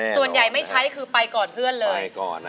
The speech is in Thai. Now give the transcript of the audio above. ส่วนใหญ่ไม่ใช้คือไปก่อนเพื่อนเลย